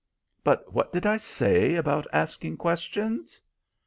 But what did I say about asking questions?